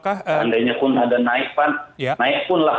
andainya pun ada naik naik pun lah